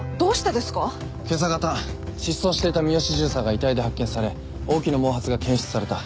今朝方失踪していた三好巡査が遺体で発見され大木の毛髪が検出された。